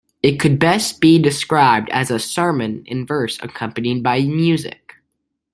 It could best be described as a "sermon in verse accompanied by music".